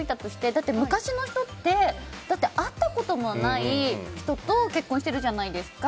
だって昔の人って会ったこともない人と結婚してるじゃないですか。